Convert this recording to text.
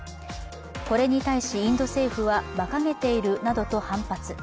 これに対し、インド政府はばかげているなどと反発。